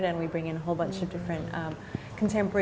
dan kita membawa banyak motif kontemporer